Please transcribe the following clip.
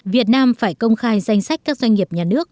việt nam phải công khai danh sách các doanh nghiệp nhà nước